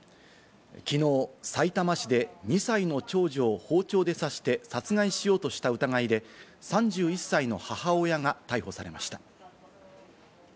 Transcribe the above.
きのう、さいたま市で２歳の長女を包丁で刺して殺害しようとした疑いで３１歳の母親が逮捕されました。